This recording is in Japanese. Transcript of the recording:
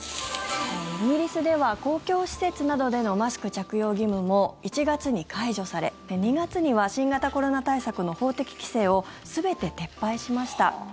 イギリスでは公共施設などでのマスク着用義務も１月に解除され２月には新型コロナ対策の法的規制を全て撤廃しました。